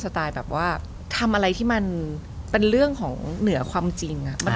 ไตล์แบบว่าทำอะไรที่มันเป็นเรื่องของเหนือความจริง